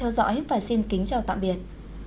hẹn gặp lại các bạn trong những video tiếp theo